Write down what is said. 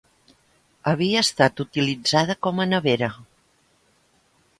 Havia estat utilitzada com a nevera.